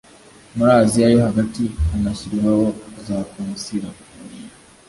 muri asia yo hagati, hanashyirwaho za konsila